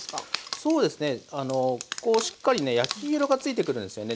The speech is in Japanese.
そうですねあのこうしっかりね焼き色がついてくるんですよね